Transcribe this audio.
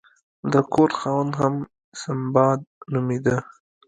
د کور خاوند هم سنباد نومیده.